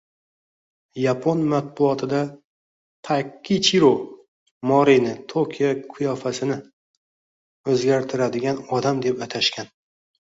Yapon matbuotida Taykichiro Morini Tokio qiyofasini o‘zgartirgan odam deb atashgan